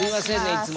いつも。